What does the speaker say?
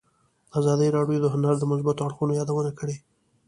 ازادي راډیو د هنر د مثبتو اړخونو یادونه کړې.